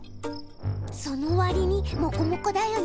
そのわりにもこもこだよね。